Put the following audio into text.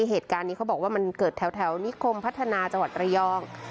เหตุการณ์นี้เขาบอกว่ามันเกิดแถวนิคมพัฒนาจังหวัดระยอง